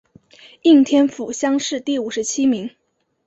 应天府乡试第五十七名。